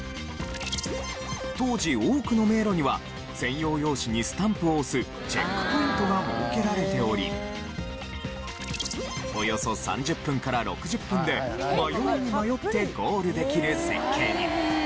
当時多くの迷路には専用用紙にスタンプを押すチェックポイントが設けられておりおよそ３０分から６０分で迷いに迷ってゴールできる設計に。